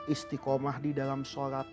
istiqomah di dalam sholat